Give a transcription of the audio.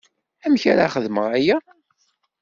Amek ara xedmeɣ aya?